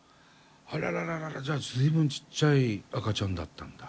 あららららじゃあ随分ちっちゃい赤ちゃんだったんだ。